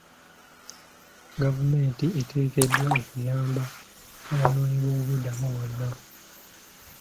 Gavumenti eteekeddwa okuyamba abanoonyiboobubudamu bonna.